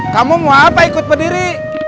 kamu mau apa ikut berdiri